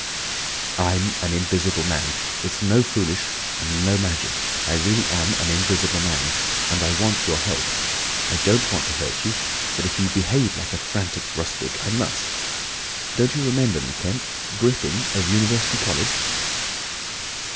"I'm an Invisible Man. It's no foolishness, and no magic. I really am an Invisible Man. And I want your help. I don't want to hurt you, but if you behave like a frantic rustic, I must. Don't you remember me, Kemp? Griffin, of University College?"